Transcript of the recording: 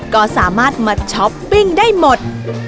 ก็สามารถมาช้อปปิ้งได้หมด